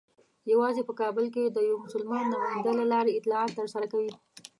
یوازې په کابل کې د یوه مسلمان نماینده له لارې اطلاعات ترلاسه کوي.